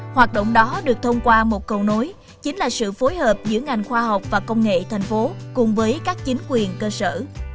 hoạt động đó được thông qua một cầu nối chính là sự phối hợp giữa ngành khoa học và công nghệ thành phố cùng với các chính quyền cơ sở